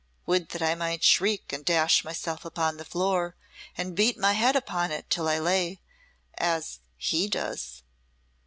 Would that I might shriek, and dash myself upon the floor, and beat my head upon it until I lay as he does."